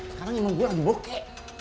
sekarang emang gue lagi boke